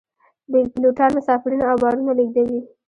پیلوټان مسافرین او بارونه لیږدوي